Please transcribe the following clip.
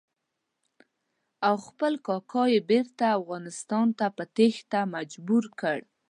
او خپل کاکا یې بېرته افغانستان ته په تېښته مجبور کړ.